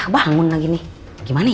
saya suka cepat ngetuk duit di edukasi